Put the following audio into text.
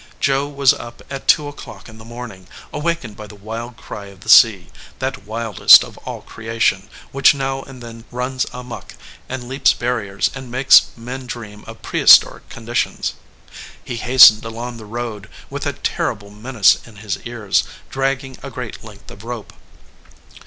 Joe was up at two o clock in the morning, awakened by the wild cry of the sea, that wildest of all creation, which now and then runs amuck and leaps barriers and makes men dream of prehistoric conditions. He hastened along the road, with that terrible menace in his ears, dragging a great length of rope.